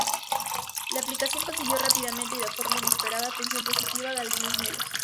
La aplicación consiguió rápidamente, y de forma inesperada, atención positiva de algunos medios.